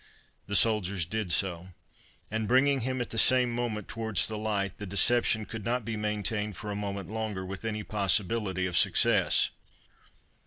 The soldiers did so; and bringing him at the same time towards the light, the deception could not be maintained for a moment longer with any possibility of success.